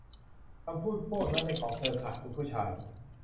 คำพูดพวกนั้นเป็นของเธอค่ะ คุณผู้ชาย